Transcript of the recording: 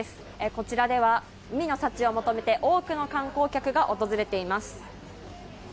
こちらでは、海の幸を求めて多くの観光客が訪れています。